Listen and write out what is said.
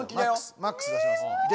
マックス出します。